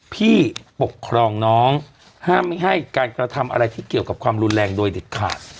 พี่ปกครองน้องห้ามไม่ให้การกระทำอะไรที่เกี่ยวกับความรุนแรงโดยเด็ดขาด